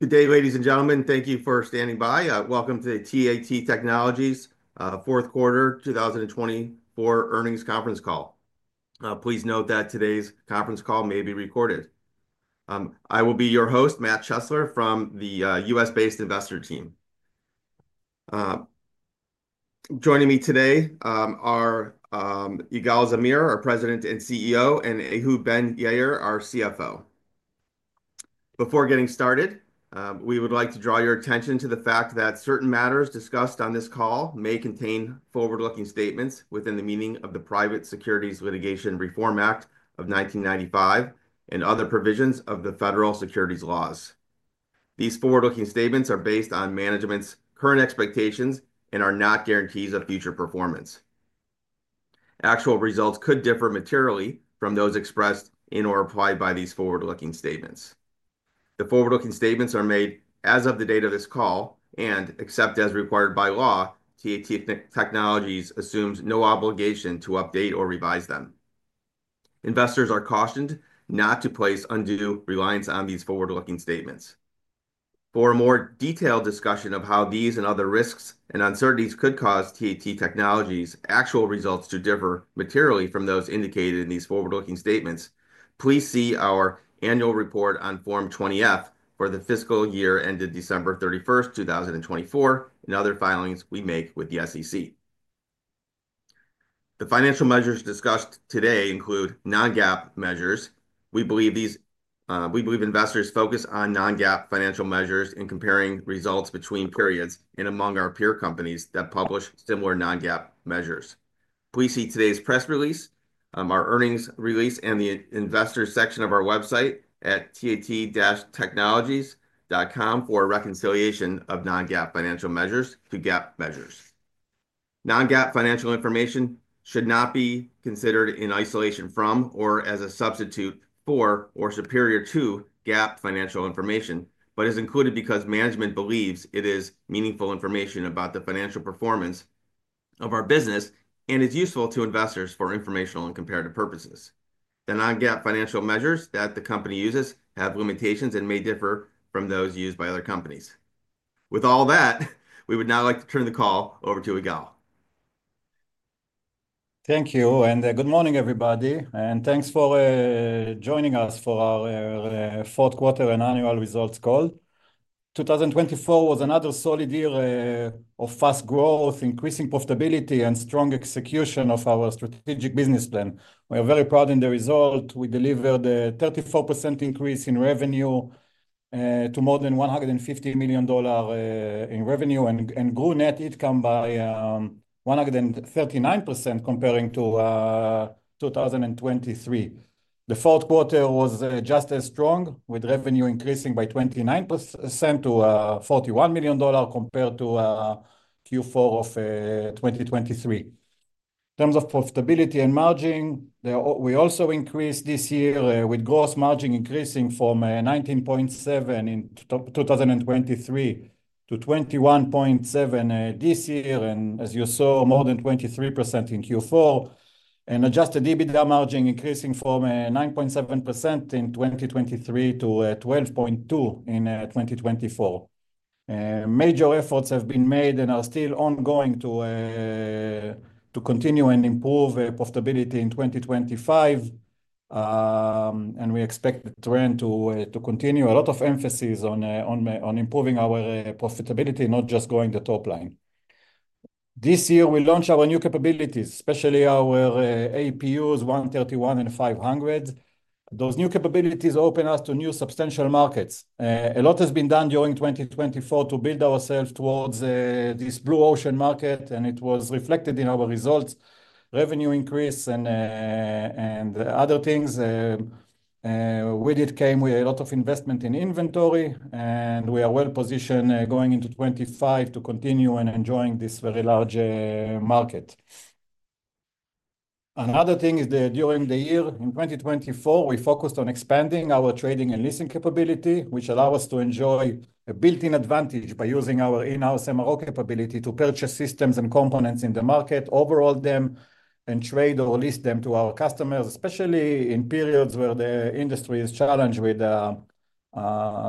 Today, ladies and gentlemen, thank you for standing by. Welcome to TAT Technologies' Fourth Quarter 2024 Earnings Conference Call. Please note that today's conference call may be recorded. I will be your host, Matt Chesler, from the U.S.-based investor team. Joining me today are Igal Zamir, our President and CEO, and Ehud Ben-Yair, our CFO. Before getting started, we would like to draw your attention to the fact that certain matters discussed on this call may contain forward-looking statements within the meaning of the Private Securities Litigation Reform Act of 1995 and other provisions of the federal securities laws. These forward-looking statements are based on management's current expectations and are not guarantees of future performance. Actual results could differ materially from those expressed in or implied by these forward-looking statements. The forward-looking statements are made as of the date of this call and, except as required by law, TAT Technologies assumes no obligation to update or revise them. Investors are cautioned not to place undue reliance on these forward-looking statements. For a more detailed discussion of how these and other risks and uncertainties could cause TAT Technologies' actual results to differ materially from those indicated in these forward-looking statements, please see our annual report on Form 20-F for the fiscal year ended December 31, 2024, and other filings we make with the SEC. The financial measures discussed today include non-GAAP measures. We believe investors focus on non-GAAP financial measures in comparing results between periods and among our peer companies that publish similar non-GAAP measures. Please see today's press release, our earnings release, and the investor section of our website at tat-technologies.com for a reconciliation of non-GAAP financial measures to GAAP measures. Non-GAAP financial information should not be considered in isolation from or as a substitute for or superior to GAAP financial information, but is included because management believes it is meaningful information about the financial performance of our business and is useful to investors for informational and comparative purposes. The non-GAAP financial measures that the company uses have limitations and may differ from those used by other companies. With all that, we would now like to turn the call over to Igal. Thank you. Good morning, everybody. Thanks for joining us for our Fourth Quarter and Annual Results Call. 2024 was another solid year of fast growth, increasing profitability, and strong execution of our strategic business plan. We are very proud in the result. We delivered a 34% increase in revenue to more than $150 million in revenue and grew net income by 139% comparing to 2023. The fourth quarter was just as strong, with revenue increasing by 29% to $41 million compared to Q4 of 2023. In terms of profitability and margin, we also increased this year with gross margin increasing from 19.7% in 2023 to 21.7% this year, and as you saw, more than 23% in Q4, and adjusted EBITDA margin increasing from 9.7% in 2023 to 12.2% in 2024. Major efforts have been made and are still ongoing to continue and improve profitability in 2025, and we expect the trend to continue. A lot of emphasis on improving our profitability, not just growing the top line. This year, we launched our new capabilities, especially our APUs 131 and 500. Those new capabilities open us to new substantial markets. A lot has been done during 2024 to build ourselves towards this blue ocean market, and it was reflected in our results, revenue increase, and other things. With it came a lot of investment in inventory, and we are well positioned going into 2025 to continue and enjoy this very large market. Another thing is that during the year in 2024, we focused on expanding our trading and leasing capability, which allowed us to enjoy a built-in advantage by using our in-house MRO capability to purchase systems and components in the market, overhaul them, and trade or lease them to our customers, especially in periods where the industry is challenged with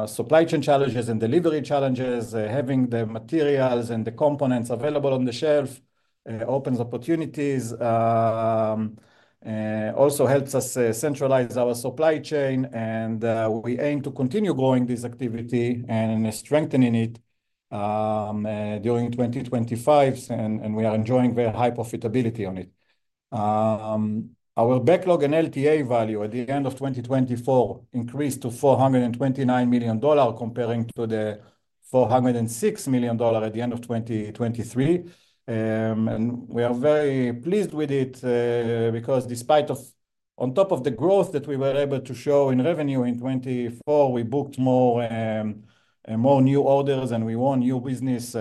supply chain challenges and delivery challenges. Having the materials and the components available on the shelf opens opportunities, also helps us centralize our supply chain, and we aim to continue growing this activity and strengthening it during 2025, and we are enjoying very high profitability on it. Our backlog and LTA value at the end of 2024 increased to $429 million comparing to the $406 million at the end of 2023. We are very pleased with it because despite, on top of the growth that we were able to show in revenue in 2024, we booked more new orders and we won new business.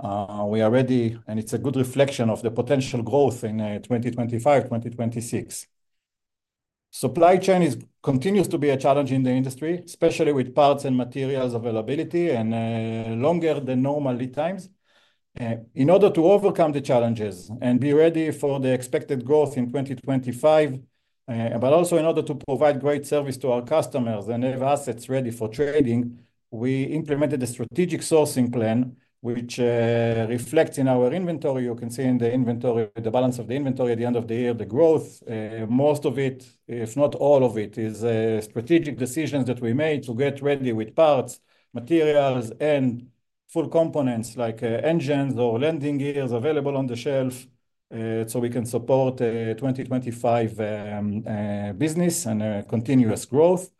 We are ready, and it's a good reflection of the potential growth in 2025, 2026. Supply chain continues to be a challenge in the industry, especially with parts and materials availability and longer than normal lead times. In order to overcome the challenges and be ready for the expected growth in 2025, but also in order to provide great service to our customers and have assets ready for trading, we implemented a strategic sourcing plan, which reflects in our inventory. You can see in the inventory, the balance of the inventory at the end of the year, the growth, most of it, if not all of it, is strategic decisions that we made to get ready with parts, materials, and full components like engines or landing gears available on the shelf so we can support 2025 business and continuous growth.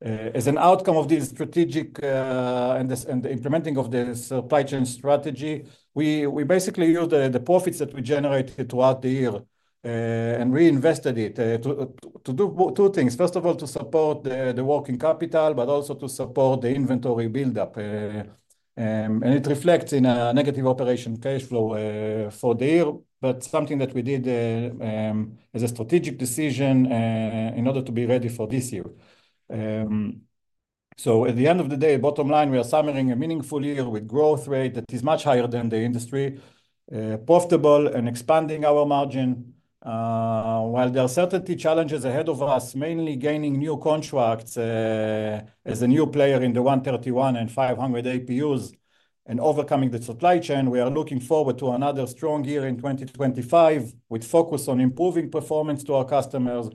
As an outcome of this strategic and implementing of this supply chain strategy, we basically used the profits that we generated throughout the year and reinvested it to do two things. First of all, to support the working capital, but also to support the inventory build-up. It reflects in a negative operation cash flow for the year, but something that we did as a strategic decision in order to be ready for this year. At the end of the day, bottom line, we are summering a meaningful year with growth rate that is much higher than the industry, profitable and expanding our margin. While there are certainly challenges ahead of us, mainly gaining new contracts as a new player in the 131 and 500 APUs and overcoming the supply chain, we are looking forward to another strong year in 2025 with focus on improving performance to our customers,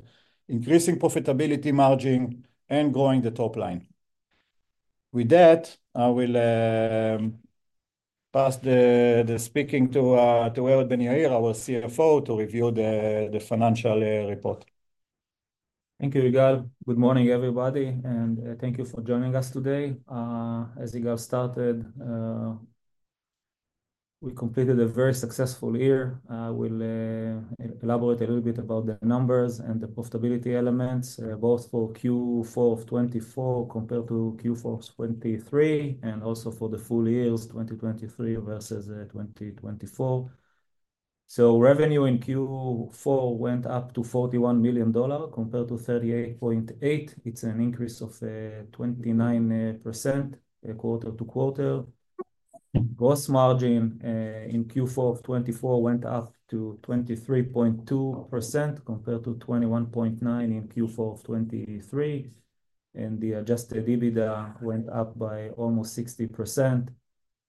increasing profitability margin, and growing the top line. With that, I will pass the speaking to Ehud Ben-Yair, our CFO, to review the financial report. Thank you, Igal. Good morning, everybody, and thank you for joining us today. As Igal started, we completed a very successful year. I will elaborate a little bit about the numbers and the profitability elements, both for Q4 of 2024 compared to Q4 of 2023, and also for the full years, 2023 versus 2024. Revenue in Q4 went up to $41 million compared to $38.8 million. It is an increase of 29% quarter to quarter. Gross margin in Q4 of 2024 went up to 23.2% compared to 21.9% in Q4 of 2023. The adjusted EBITDA went up by almost 60%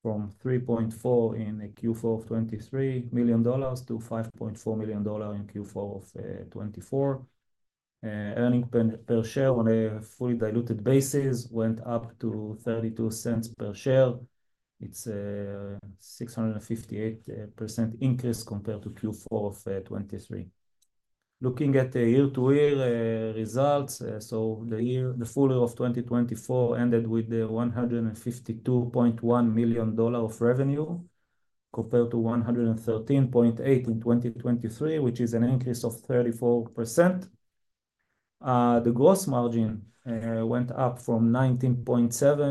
from $3.4 million in Q4 of 2023 to $5.4 million in Q4 of 2024. Earnings per share on a fully diluted basis went up to $0.32 per share. It is a 658% increase compared to Q4 of 2023. Looking at the year-to-year results, the full year of 2024 ended with $152.1 million of revenue compared to $113.8 million in 2023, which is an increase of 34%. The gross margin went up from $19.7 million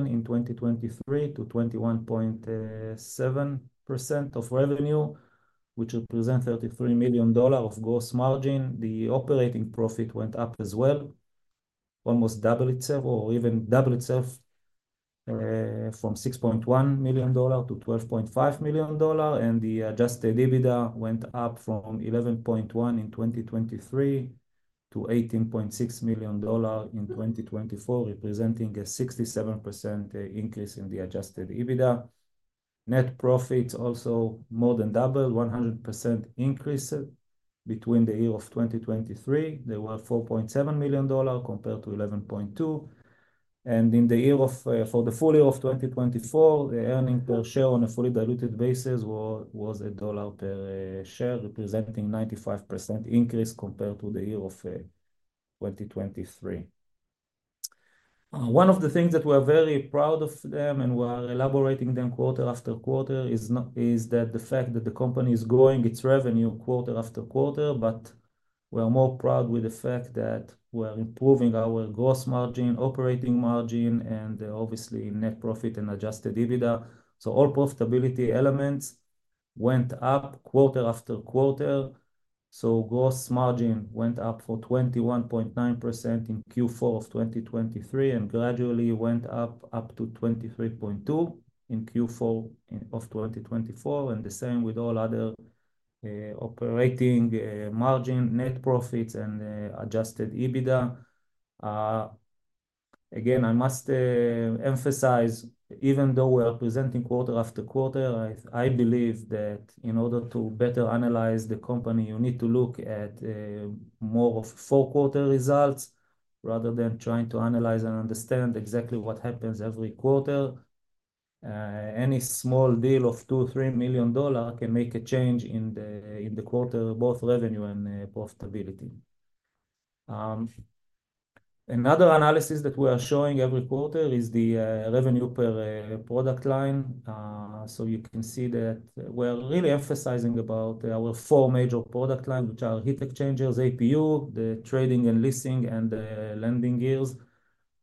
in 2023 to 21.7% of revenue, which represents $33 million of gross margin. The operating profit went up as well, almost doubled itself or even doubled itself from $6.1 million to $12.5 million. The adjusted EBITDA went up from $11.1 million in 2023 to $18.6 million in 2024, representing a 67% increase in the adjusted EBITDA. Net profits also more than doubled, 100% increased between the year of 2023. They were $4.7 million compared to $11.2 million. In the year of, for the full year of 2024, the earning per share on a fully diluted basis was $1 per share, representing a 95% increase compared to the year of 2023. One of the things that we are very proud of and we are elaborating quarter after quarter is the fact that the company is growing its revenue quarter after quarter, but we are more proud with the fact that we are improving our gross margin, operating margin, and obviously net profit and adjusted EBITDA. All profitability elements went up quarter after quarter. Gross margin went up from 21.9% in Q4 of 2023 and gradually went up to 23.2% in Q4 of 2024. The same with all other operating margin, net profits, and adjusted EBITDA. Again, I must emphasize, even though we are presenting quarter after quarter, I believe that in order to better analyze the company, you need to look at more of four-quarter results rather than trying to analyze and understand exactly what happens every quarter. Any small deal of $2 million, $3 million can make a change in the quarter, both revenue and profitability. Another analysis that we are showing every quarter is the revenue per product line. You can see that we are really emphasizing our four major product lines, which are heat exchangers, APU, the trading and leasing, and the landing gears.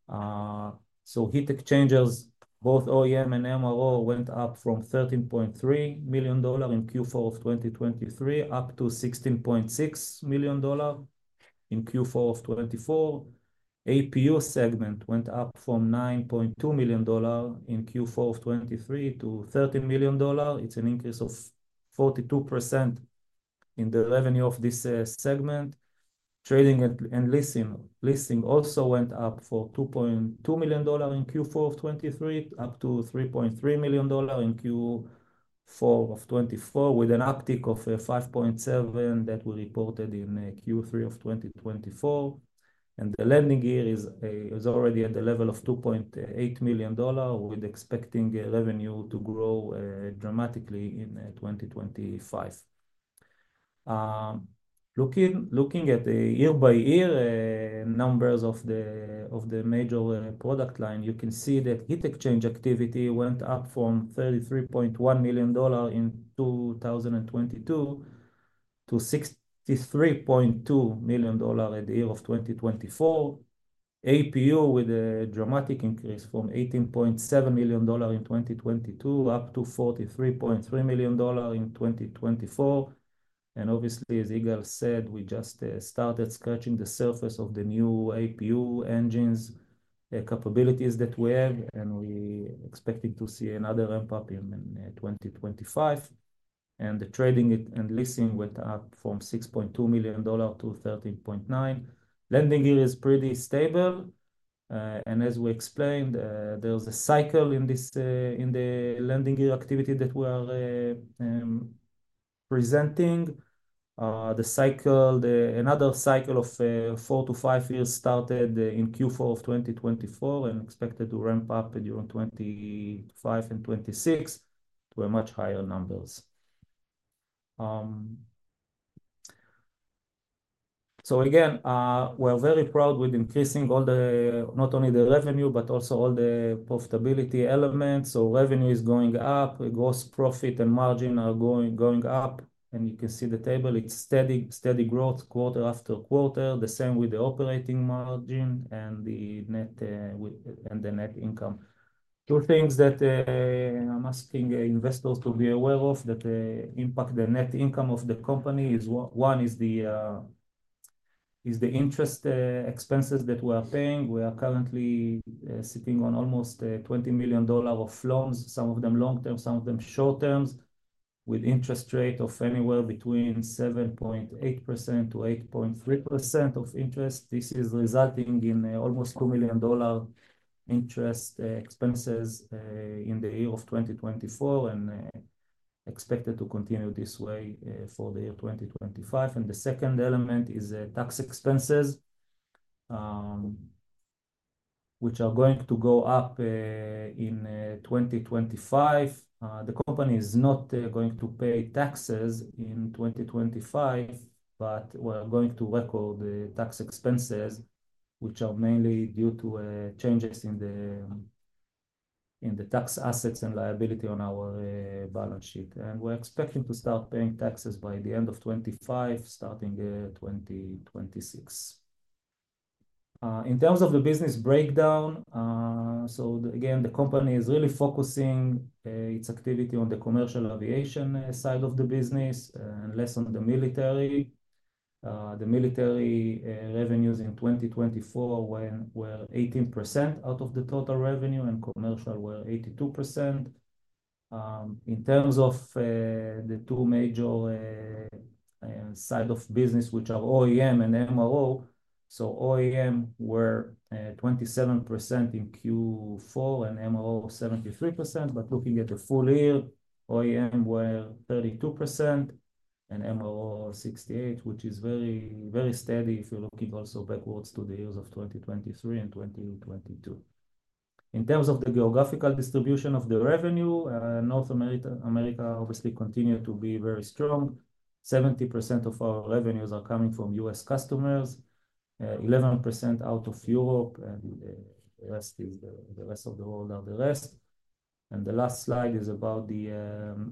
Heat exchangers, both OEM and MRO, went up from $13.3 million in Q4 of 2023 up to $16.6 million in Q4 of 2024. APU segment went up from $9.2 million in Q4 of 2023 to $13 million. It is an increase of 42% in the revenue of this segment. Trading and leasing also went up from $2.2 million in Q4 of 2023 up to $3.3 million in Q4 of 2024 with an uptick of $5.7 million that we reported in Q3 of 2024. The landing gear is already at the level of $2.8 million with expecting revenue to grow dramatically in 2025. Looking at the year-by-year numbers of the major product line, you can see that heat exchange activity went up from $33.1 million in 2022 to $63.2 million at the year of 2024. APU with a dramatic increase from $18.7 million in 2022 up to $43.3 million in 2024. Obviously, as Igal said, we just started scratching the surface of the new APU engines capabilities that we have, and we expect to see another ramp-up in 2025. The trading and leasing went up from $6.2 million to $13.9 million. Landing gear is pretty stable. As we explained, there is a cycle in the landing gear activity that we are presenting. The cycle, another cycle of four to five years started in Q4 of 2024 and expected to ramp up during 2025 and 2026 to a much higher numbers. We're very proud with increasing not only the revenue, but also all the profitability elements. Revenue is going up, gross profit and margin are going up. You can see the table, it's steady growth quarter after quarter, the same with the operating margin and the net income. Two things that I'm asking investors to be aware of that impact the net income of the company is one is the interest expenses that we are paying. We are currently sitting on almost $20 million of loans, some of them long-term, some of them short-terms, with interest rate of anywhere between 7.8% to 8.3% of interest. This is resulting in almost $2 million interest expenses in the year of 2024 and expected to continue this way for the year 2025. The second element is tax expenses, which are going to go up in 2025. The company is not going to pay taxes in 2025, but we're going to record tax expenses, which are mainly due to changes in the tax assets and liability on our balance sheet. We're expecting to start paying taxes by the end of 2025, starting 2026. In terms of the business breakdown, again, the company is really focusing its activity on the commercial aviation side of the business and less on the military. The military revenues in 2024 were 18% out of the total revenue and commercial were 82%. In terms of the two major side of business, which are OEM and MRO, OEM were 27% in Q4 and MRO 73%, but looking at the full year, OEM were 32% and MRO 68%, which is very steady if you're looking also backwards to the years of 2023 and 2022. In terms of the geographical distribution of the revenue, North America obviously continued to be very strong. 70% of our revenues are coming from US customers, 11% out of Europe, and the rest of the world are the rest. The last slide is about the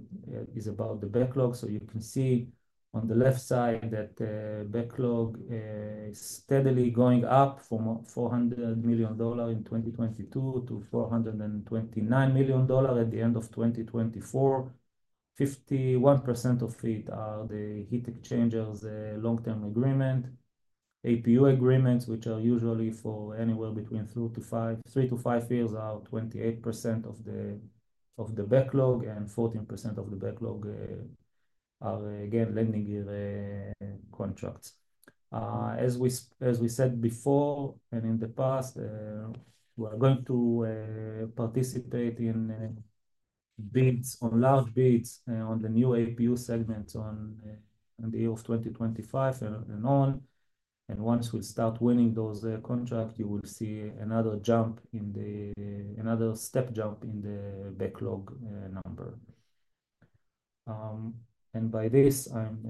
backlog. You can see on the left side that backlog is steadily going up from $400 million in 2022 to $429 million at the end of 2024. 51% of it are the heat exchangers long-term agreement. APU agreements, which are usually for anywhere between three to five years, are 28% of the backlog, and 14% of the backlog are again landing gear contracts. As we said before and in the past, we're going to participate in bids on large bids on the new APU segments on the year of 2025 and on. Once we start winning those contracts, you will see another jump in the another step jump in the backlog number. By this, I'm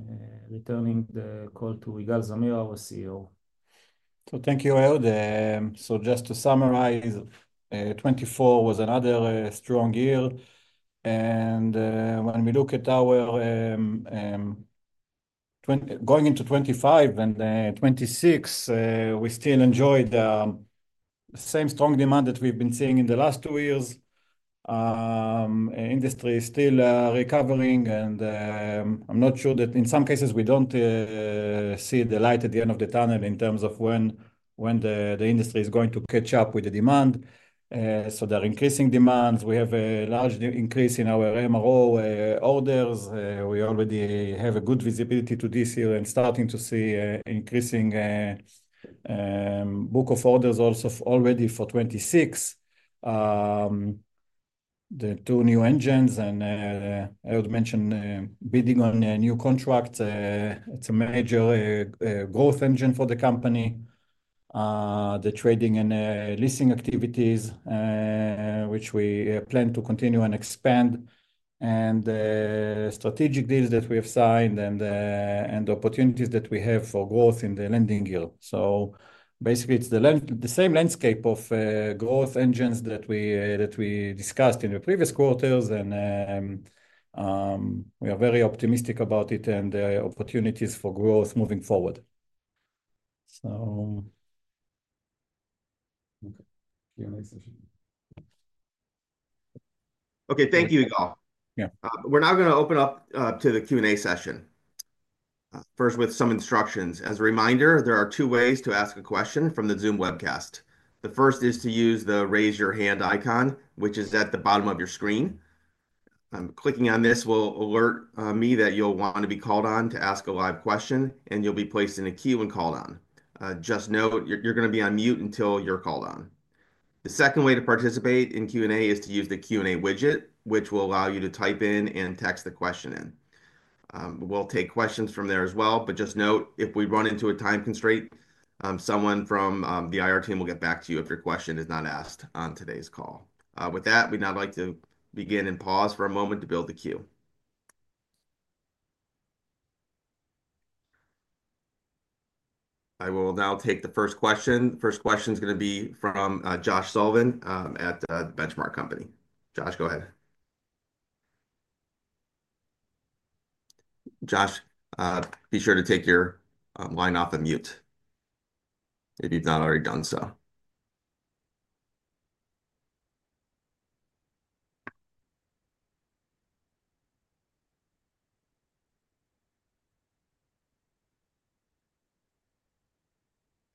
returning the call to Igal Zamir, our CEO. Thank you, Ehud. Just to summarize, 2024 was another strong year. When we look at our going into 2025 and 2026, we still enjoy the same strong demand that we've been seeing in the last two years. Industry is still recovering, and I'm not sure that in some cases we don't see the light at the end of the tunnel in terms of when the industry is going to catch up with the demand. There are increasing demands. We have a large increase in our MRO orders. We already have good visibility to this year and starting to see increasing book of orders also already for 2026. The two new engines and Ehud mentioned bidding on new contracts. It's a major growth engine for the company. The trading and leasing activities, which we plan to continue and expand, and strategic deals that we have signed and the opportunities that we have for growth in the landing gear. Basically, it's the same landscape of growth engines that we discussed in the previous quarters, and we are very optimistic about it and the opportunities for growth moving forward. Okay, thank you, Igal. We're now going to open up to the Q&A session. First, with some instructions. As a reminder, there are two ways to ask a question from the Zoom webcast. The first is to use the raise your hand icon, which is at the bottom of your screen. Clicking on this will alert me that you'll want to be called on to ask a live question, and you'll be placed in a queue and called on. Just note, you're going to be on mute until you're called on. The second way to participate in Q&A is to use the Q&A widget, which will allow you to type in and text the question in. We'll take questions from there as well, but just note, if we run into a time constraint, someone from the IR team will get back to you if your question is not asked on today's call. With that, we'd now like to begin and pause for a moment to build the queue. I will now take the first question. The first question is going to be from Josh Sullivan at the Benchmark Company. Josh, go ahead. Josh, be sure to take your line off of mute if you've not already done so.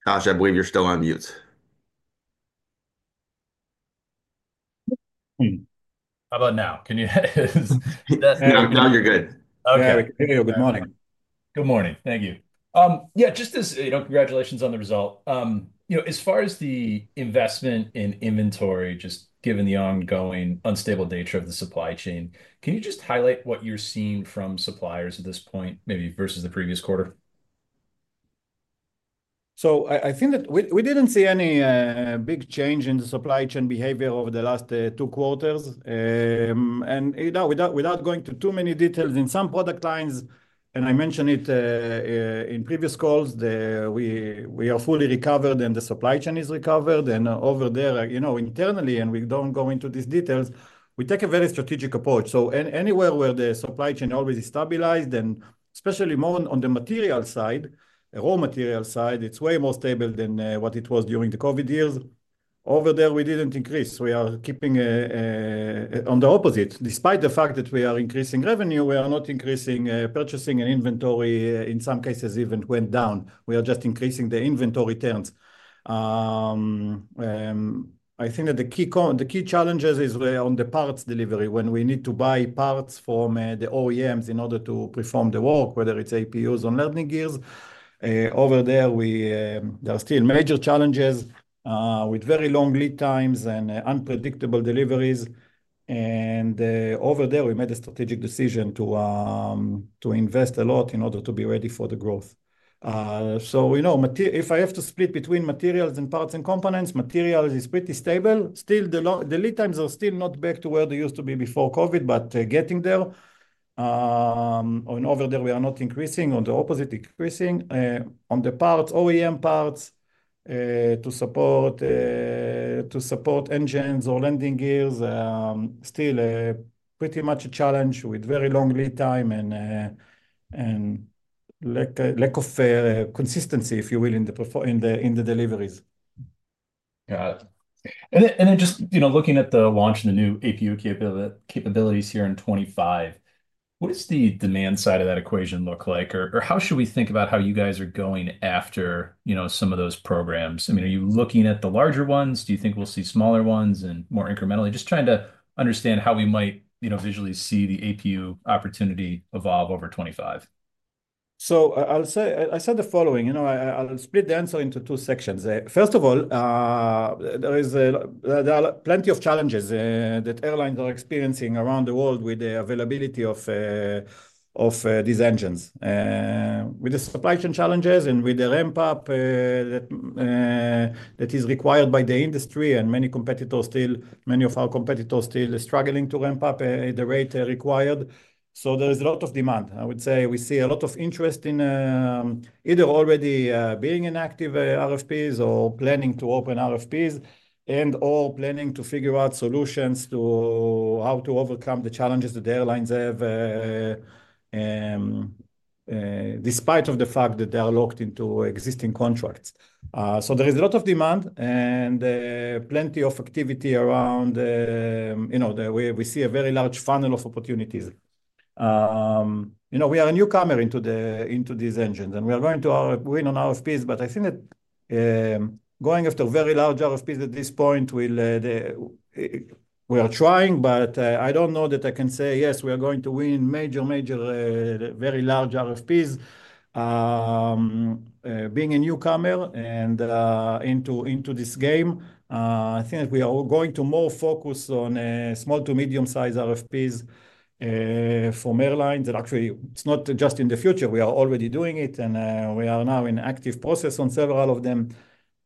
Josh, I believe you're still on mute. How about now? Can you? Now you're good. Okay. Good morning. Good morning. Thank you. Yeah, just as congratulations on the result. As far as the investment in inventory, just given the ongoing unstable nature of the supply chain, can you just highlight what you're seeing from suppliers at this point, maybe versus the previous quarter? I think that we did not see any big change in the supply chain behavior over the last two quarters. Without going into too many details, in some product lines, and I mentioned it in previous calls, we are fully recovered and the supply chain is recovered. Over there, internally, and we do not go into these details, we take a very strategic approach. Anywhere where the supply chain is stabilized, and especially more on the material side, raw material side, it is way more stable than what it was during the COVID years. Over there, we did not increase. We are keeping on the opposite. Despite the fact that we are increasing revenue, we are not increasing purchasing and inventory. In some cases, it even went down. We are just increasing the inventory turns. I think that the key challenges is on the parts delivery when we need to buy parts from the OEMs in order to perform the work, whether it's APUs on landing gears. Over there, there are still major challenges with very long lead times and unpredictable deliveries. Over there, we made a strategic decision to invest a lot in order to be ready for the growth. If I have to split between materials and parts and components, materials is pretty stable. Still, the lead times are still not back to where they used to be before COVID, but getting there. Over there, we are not increasing, on the opposite, increasing. On the parts, OEM parts to support engines or landing gears, still pretty much a challenge with very long lead time and lack of consistency, if you will, in the deliveries. Got it. Just looking at the launch and the new APU capabilities here in 2025, what does the demand side of that equation look like? How should we think about how you guys are going after some of those programs? I mean, are you looking at the larger ones? Do you think we will see smaller ones and more incrementally? Just trying to understand how we might visually see the APU opportunity evolve over 2025. I'll say the following. I'll split the answer into two sections. First of all, there are plenty of challenges that airlines are experiencing around the world with the availability of these engines. With the supply chain challenges and with the ramp-up that is required by the industry and many competitors still, many of our competitors still struggling to ramp up the rate required. There is a lot of demand. I would say we see a lot of interest in either already being in active RFPs or planning to open RFPs and/or planning to figure out solutions to how to overcome the challenges that airlines have despite the fact that they are locked into existing contracts. There is a lot of demand and plenty of activity around. We see a very large funnel of opportunities. We are a newcomer into these engines, and we are going to win on RFPs, but I think that going after very large RFPs at this point, we are trying, but I do not know that I can say, yes, we are going to win major, major, very large RFPs being a newcomer into this game. I think that we are going to more focus on small to medium-sized RFPs from airlines. Actually, it is not just in the future. We are already doing it, and we are now in active process on several of them.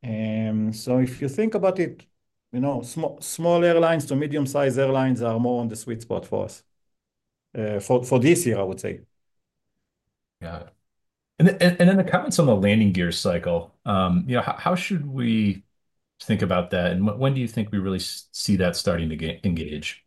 If you think about it, small airlines to medium-sized airlines are more on the sweet spot for us for this year, I would say. Yeah. The comments on the landing gear cycle, how should we think about that? When do you think we really see that starting to engage?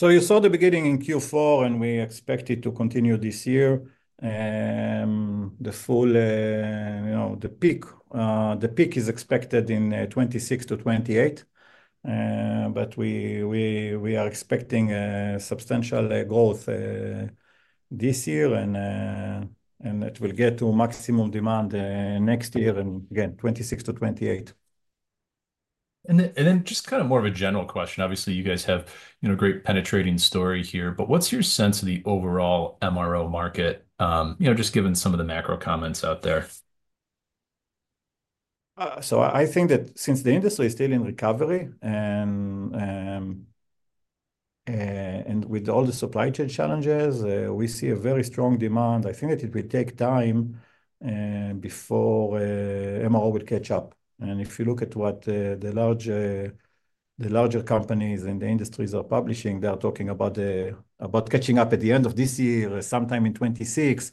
You saw the beginning in Q4, and we expect it to continue this year. The full, the peak is expected in 2026 to 2028, but we are expecting substantial growth this year, and it will get to maximum demand next year and again, 2026 to 2028. Just kind of more of a general question. Obviously, you guys have a great penetrating story here, but what's your sense of the overall MRO market, just given some of the macro comments out there? I think that since the industry is still in recovery and with all the supply chain challenges, we see a very strong demand. I think that it will take time before MRO will catch up. If you look at what the larger companies and the industries are publishing, they are talking about catching up at the end of this year, sometime in 2026.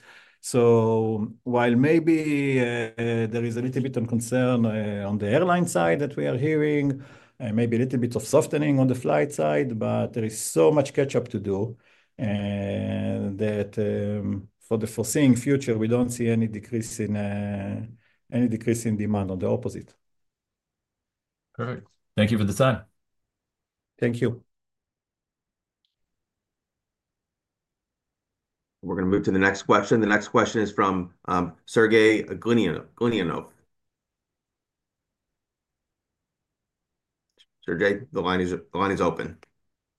While maybe there is a little bit of concern on the airline side that we are hearing, maybe a little bit of softening on the flight side, there is so much catch-up to do that for the foreseeing future, we do not see any decrease in demand, on the opposite. Perfect. Thank you for the time. Thank you. We're going to move to the next question. The next question is from Sergey Glinyanov. Sergey, the line is open.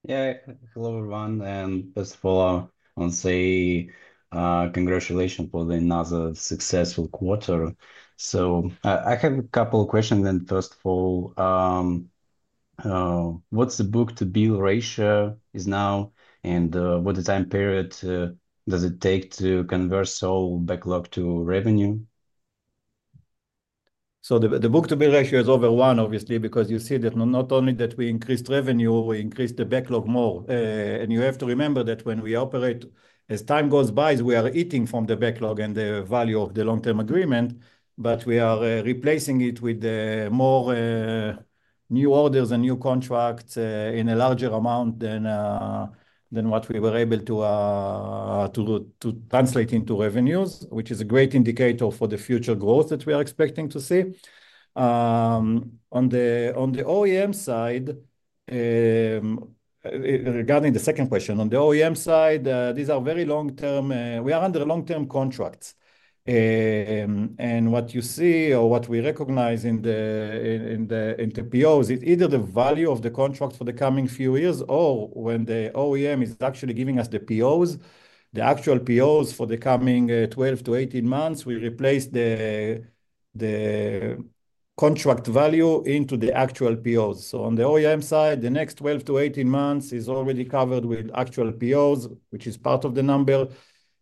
Yeah. Hello, everyone. First of all, I want to say congratulations for another successful quarter. I have a couple of questions. First of all, what's the book-to-bill ratio now, and what time period does it take to convert sole backlog to revenue? The book-to-bill ratio is over one, obviously, because you see that not only that we increased revenue, we increased the backlog more. You have to remember that when we operate, as time goes by, we are eating from the backlog and the value of the long-term agreement, but we are replacing it with more new orders and new contracts in a larger amount than what we were able to translate into revenues, which is a great indicator for the future growth that we are expecting to see. On the OEM side, regarding the second question, on the OEM side, these are very long-term. We are under long-term contracts. What you see or what we recognize in the POs is either the value of the contract for the coming few years or when the OEM is actually giving us the POs, the actual POs for the coming 12-18 months, we replace the contract value into the actual POs. On the OEM side, the next 12-18 months is already covered with actual POs, which is part of the number.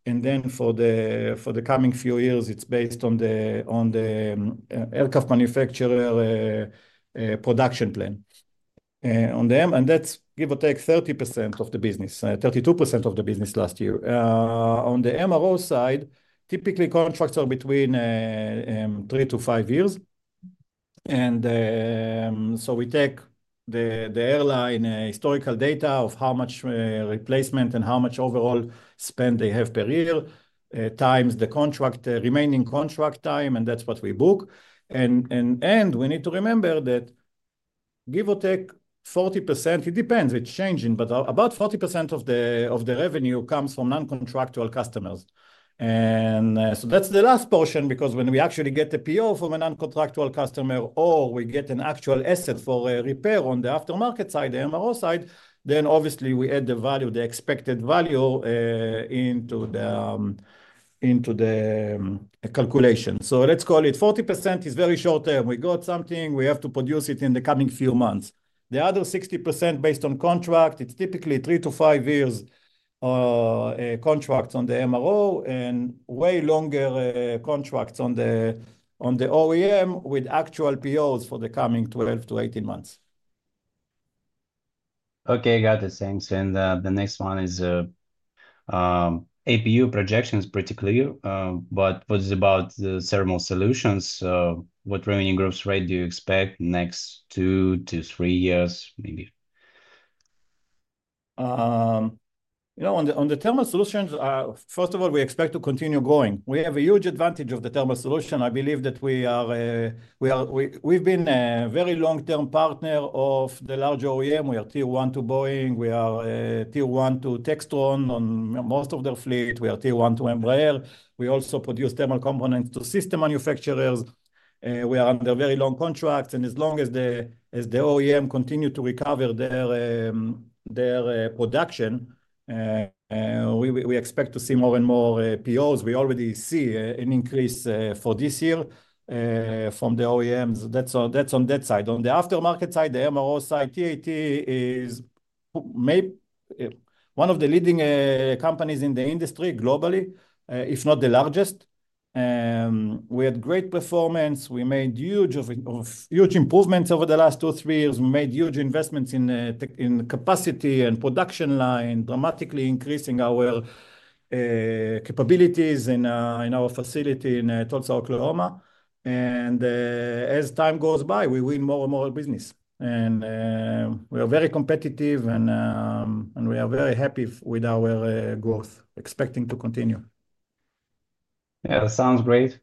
For the coming few years, it is based on the aircraft manufacturer production plan. That is give or take 30% of the business, 32% of the business last year. On the MRO side, typically contracts are between three to five years. We take the airline historical data of how much replacement and how much overall spend they have per year times the remaining contract time, and that is what we book. We need to remember that, give or take, 40%—it depends, it's changing, but about 40% of the revenue comes from non-contractual customers. That's the last portion because when we actually get the PO from a non-contractual customer or we get an actual asset for repair on the aftermarket side, the MRO side, then obviously we add the value, the expected value into the calculation. Let's call it 40% is very short term. We got something, we have to produce it in the coming few months. The other 60% based on contract, it's typically three- to five-year contracts on the MRO and way longer contracts on the OEM with actual POs for the coming 12-18 months. Okay, got it. Thanks. The next one is APU projections, pretty clear. What is about the thermal solutions? What revenue growth rate do you expect next two, two, three years, maybe? On the thermal solutions, first of all, we expect to continue going. We have a huge advantage of the thermal solution. I believe that we've been a very long-term partner of the larger OEM. We are tier one to Boeing. We are tier one to Textron on most of their fleet. We are tier one to Embraer. We also produce thermal components to system manufacturers. We are under very long contracts. As long as the OEM continues to recover their production, we expect to see more and more POs. We already see an increase for this year from the OEMs. That's on that side. On the aftermarket side, the MRO side, TAT is one of the leading companies in the industry globally, if not the largest. We had great performance. We made huge improvements over the last two, three years. We made huge investments in capacity and production line, dramatically increasing our capabilities in our facility in Tulsa, Oklahoma. As time goes by, we win more and more business. We are very competitive, and we are very happy with our growth, expecting to continue. Yeah, that sounds great.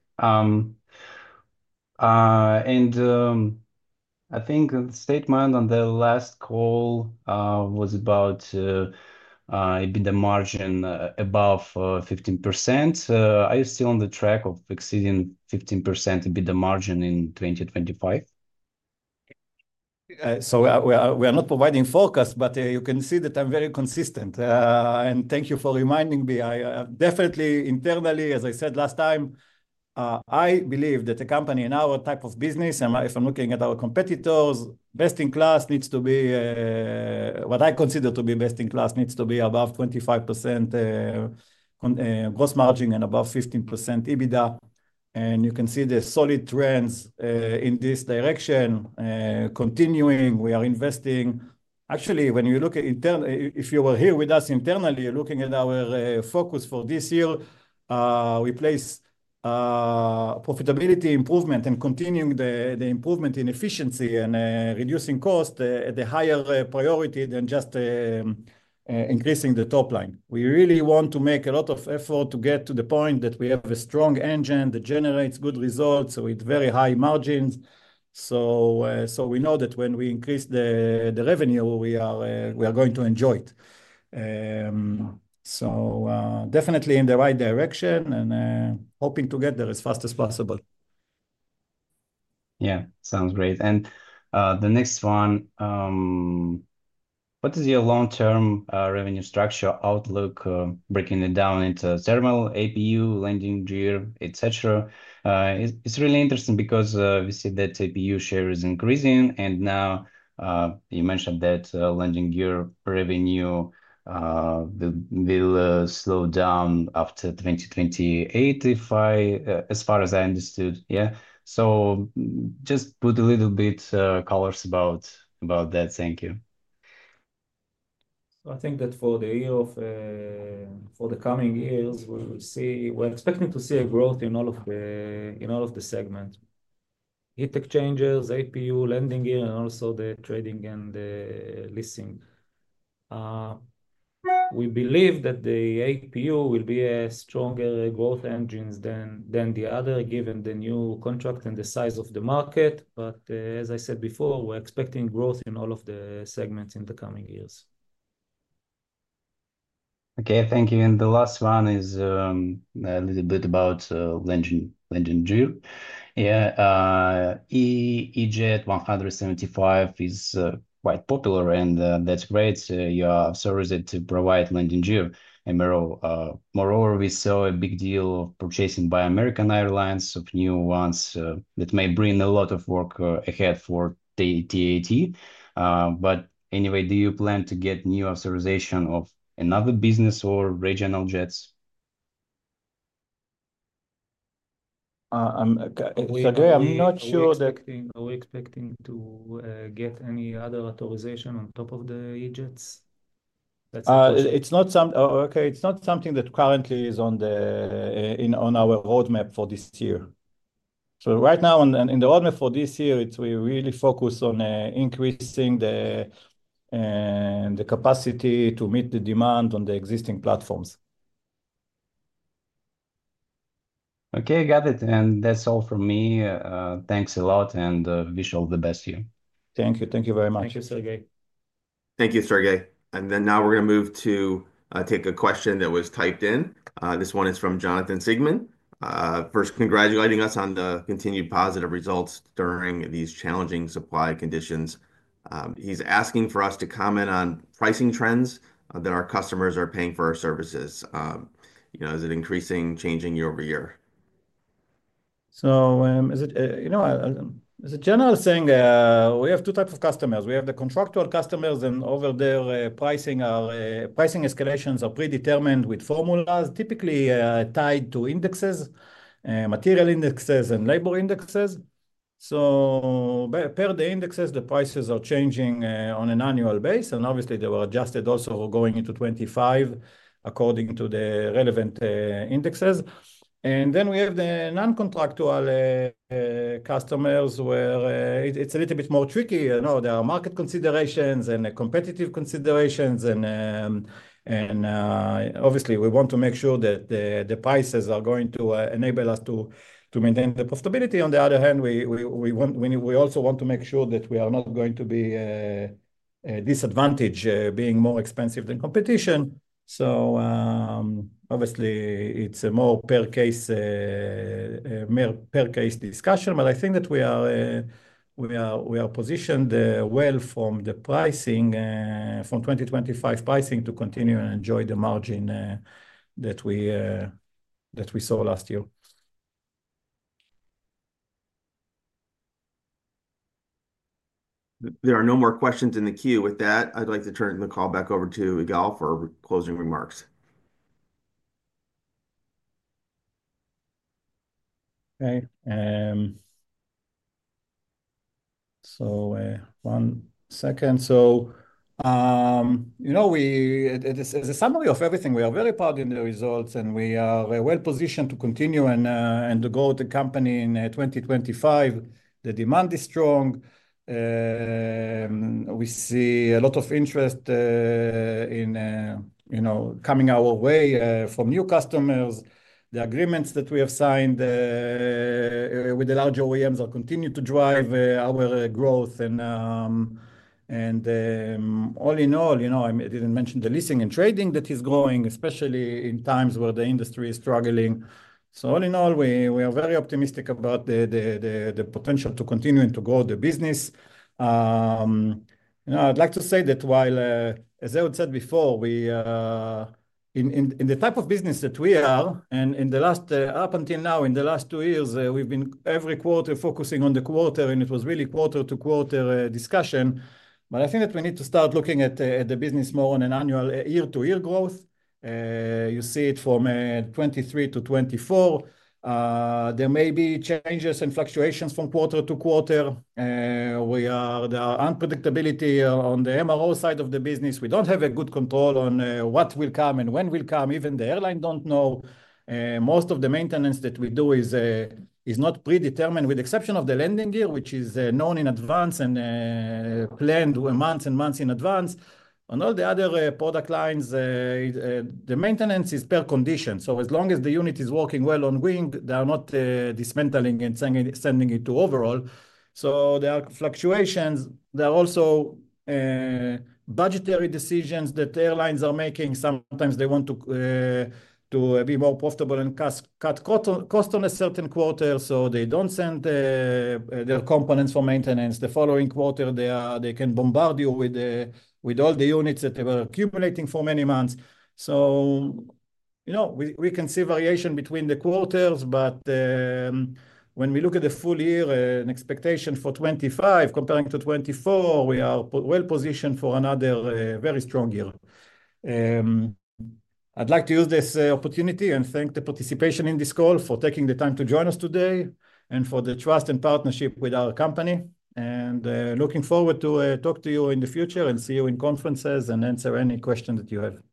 I think the statement on the last call was about a margin above 15%. Are you still on the track of exceeding 15% a bit of margin in 2025? We are not providing forecasts, but you can see that I'm very consistent. Thank you for reminding me. Definitely, internally, as I said last time, I believe that a company in our type of business, and if I'm looking at our competitors, best in class needs to be what I consider to be best in class needs to be above 25% gross margin and above 15% EBITDA. You can see the solid trends in this direction continuing. We are investing. Actually, when you look at internal, if you were here with us internally, you're looking at our focus for this year, we place profitability improvement and continuing the improvement in efficiency and reducing cost at a higher priority than just increasing the top line. We really want to make a lot of effort to get to the point that we have a strong engine that generates good results with very high margins. We know that when we increase the revenue, we are going to enjoy it. Definitely in the right direction and hoping to get there as fast as possible. Yeah, sounds great. The next one, what is your long-term revenue structure outlook, breaking it down into thermal, APU, landing gear, etc.? It's really interesting because we see that APU share is increasing. Now you mentioned that landing gear revenue will slow down after 2028, as far as I understood. Yeah? Just put a little bit of colors about that. Thank you. I think that for the year of for the coming years, we're expecting to see a growth in all of the segments: heat exchangers, APU, landing gear, and also the trading and the leasing. We believe that the APU will be a stronger growth engine than the other, given the new contract and the size of the market. As I said before, we're expecting growth in all of the segments in the coming years. Okay, thank you. The last one is a little bit about landing gear. Yeah. E-Jet 175 is quite popular, and that's great. You are so ready to provide landing gear MRO. Moreover, we saw a big deal of purchasing by American Airlines of new ones that may bring a lot of work ahead for TAT. Anyway, do you plan to get new authorization of another business or regional jets? I'm not sure that we're expecting to get any other authorization on top of the E-Jets. Okay, it's not something that currently is on our roadmap for this year. Right now, in the roadmap for this year, we really focus on increasing the capacity to meet the demand on the existing platforms. Okay, got it. That is all from me. Thanks a lot, and wish all the best to you. Thank you. Thank you very much. Thank you, Sergey. Thank you, Sergey. Now we're going to move to take a question that was typed in. This one is from Jonathan Sigmund, first congratulating us on the continued positive results during these challenging supply conditions. He's asking for us to comment on pricing trends that our customers are paying for our services. Is it increasing, changing year over year? As a general thing, we have two types of customers. We have the contractual customers, and over there, pricing escalations are predetermined with formulas, typically tied to indexes, material indexes, and labor indexes. Per the indexes, the prices are changing on an annual base. Obviously, they were adjusted also going into 2025 according to the relevant indexes. We have the non-contractual customers where it's a little bit more tricky. There are market considerations and competitive considerations. Obviously, we want to make sure that the prices are going to enable us to maintain the profitability. On the other hand, we also want to make sure that we are not going to be disadvantaged being more expensive than competition. Obviously, it's a more per-case discussion, but I think that we are positioned well from the pricing, from 2025 pricing, to continue and enjoy the margin that we saw last year. There are no more questions in the queue. With that, I'd like to turn the call back over to Igal for closing remarks. Okay. One second. As a summary of everything, we are very proud in the results, and we are well positioned to continue and to go to the company in 2025. The demand is strong. We see a lot of interest coming our way from new customers. The agreements that we have signed with the larger OEMs will continue to drive our growth. All in all, I did not mention the leasing and trading that is growing, especially in times where the industry is struggling. All in all, we are very optimistic about the potential to continue and to grow the business. I'd like to say that while, as I would said before, in the type of business that we are, and up until now, in the last two years, we've been every quarter focusing on the quarter, and it was really quarter-to-quarter discussion. I think that we need to start looking at the business more on an annual year-to-year growth. You see it from 2023 to 2024. There may be changes and fluctuations from quarter to quarter. There are unpredictability on the MRO side of the business. We do not have good control on what will come and when will come. Even the airline do not know. Most of the maintenance that we do is not predetermined, with the exception of the landing gear, which is known in advance and planned months and months in advance. On all the other product lines, the maintenance is per condition. As long as the unit is working well on wing, they are not dismantling and sending it to overhaul. There are fluctuations. There are also budgetary decisions that airlines are making. Sometimes they want to be more profitable and cut costs on a certain quarter, so they don't send their components for maintenance the following quarter. They can bombard you with all the units that they were accumulating for many months. We can see variation between the quarters, but when we look at the full year, an expectation for 2025 comparing to 2024, we are well positioned for another very strong year. I'd like to use this opportunity and thank the participation in this call for taking the time to join us today and for the trust and partnership with our company. I am looking forward to talk to you in the future and see you in conferences and answer any questions that you have.